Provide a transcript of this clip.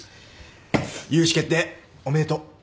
融資決定おめでとう